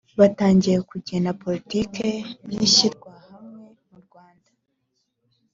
batangiye kugena politiki y ishyirahamwe murwanda